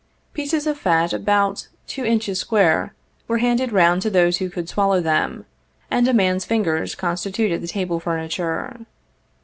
Pieces of fat about two inches square, were handed round to those who could swallow them, a ud a man's fingers constituted the table furniture.